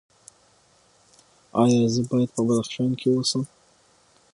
ایا زه باید په بدخشان کې اوسم؟